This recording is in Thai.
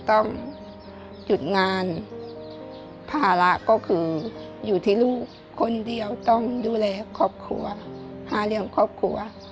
ต้องหยุดงานภาระก็คืออยู่ที่ลูกคนเดียวต้องดูแลครอบครัวหาเลี้ยงครอบครัว